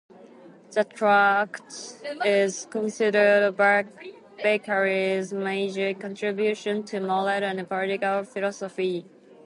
The tract is considered Berkeley's major contribution to moral and political philosophy.